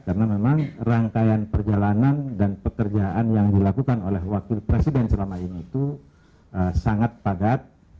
karena memang rangkaian perjalanan dan pekerjaan yang dilakukan oleh wakil presiden selama ini itu sangat padat